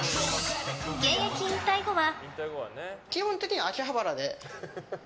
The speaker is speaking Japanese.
現役引退後は。